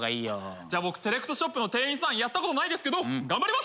じゃあ僕セレクトショップの店員さんやったことないですけど頑張ります！